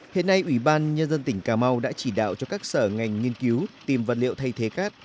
hiện nay ủy ban nhân dân tỉnh cà mau đã chỉ đạo cho các sở ngành nghiên cứu tìm vật liệu thay thế cát